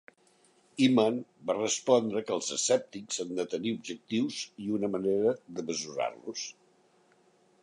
Hyman va respondre que els escèptics han de tenir objectius i una manera de mesurar-los.